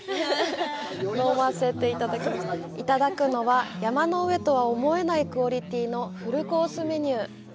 いただくのは、山の上とは思えないクオリティーのフルコースメニュー。